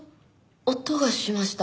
音がしました。